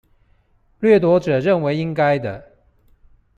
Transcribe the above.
掠奪者認為應該的